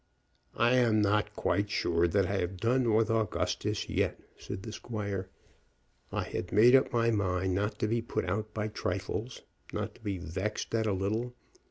"I am not quite sure that I have done with Augustus as yet," said the squire. "I had made up my mind not to be put out by trifles; not to be vexed at a little.